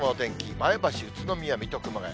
前橋、宇都宮、水戸、熊谷。